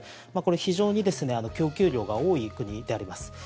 非常に供給量が多い国であります。